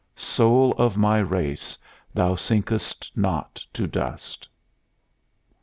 Soul of my race, thou sinkest not to dust.